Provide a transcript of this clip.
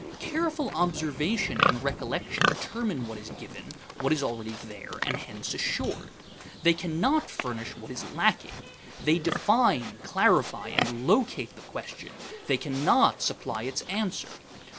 Careful observation and recollection determine what is given, what is already there, and hence assured. They cannot furnish what is lacking. They define, clarify, and locate the question; they cannot supply its answer.